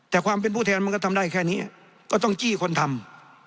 แต่ความเป็นผู้แทนมันก็ทำได้แค่นี้ก็ต้องจี้คนทำ